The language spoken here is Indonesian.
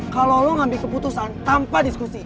kalau lo ngambil keputusan tanpa diskusi